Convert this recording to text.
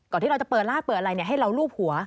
ที่เราจะเปิดลาดเปิดอะไรให้เรารูปหัว